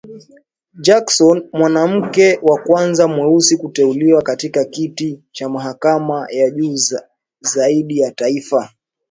Jackson mwanamke wa kwanza mweusi kuteuliwa katika kiti cha mahakama ya juu zaidi ya taifa